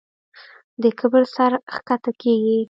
د کبر سر ښکته کېږي.